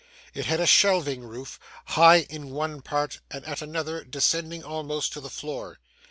It had a shelving roof; high in one part, and at another descending almost to the floor.